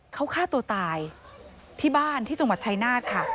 เขาฆ่าตัวตายที่บ้านที่จังหวัดชายนาฏค่ะ